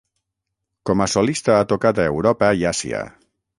Com a solista ha tocat a Europa i Àsia.